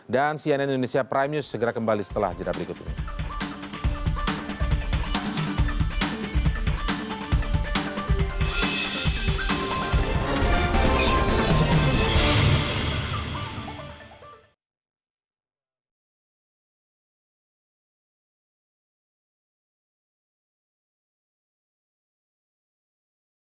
dan cnn indonesia prime news segera kembali setelah jerab berikut ini